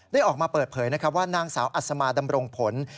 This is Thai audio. ออกมาเปิดเผยว่านางสาวอัศมาดำรงผล